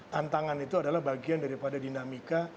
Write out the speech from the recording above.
tantangan itu adalah bagian daripada dinamika